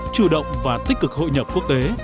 chủ động và tích cực hội nhập quốc tế